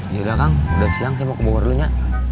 yaudah kang udah siang saya mau kebawah dulu nya